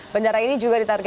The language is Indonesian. bandara ini juga ditargetkan